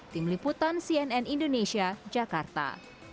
tim liputan cnn indonesia jakarta